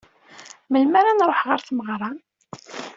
Melmi ara nruḥ ɣer tmeɣra?